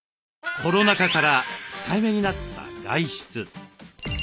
コロナ禍から控えめになった外出。